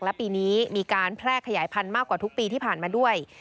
และปีนี้มีการแพร่ขยายพันธุ์มากกว่าทุกปีที่ผ่านมาด้วย